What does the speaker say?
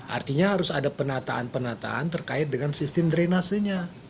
artinya harus ada penataan penataan terkait dengan sistem drenasenya